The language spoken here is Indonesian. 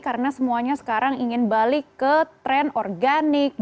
karena semuanya sekarang ingin balik ke tren organik